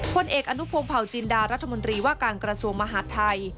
พลเอกอนุพงศ์เผาจินดารัฐมนตรีว่าการกระทรวงมหาดไทย